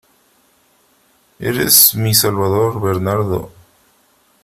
¡Eres mi salvador, Bernardo!